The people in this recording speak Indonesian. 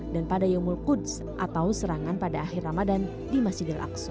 dan pada yom kudus atau serangan pada akhir ramadan di masjid al aqsa